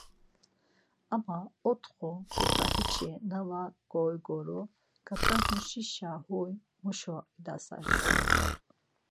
Ama otxo tuta hiçi na var goigoru ǩatamuşişa huy muşa idasert̆u?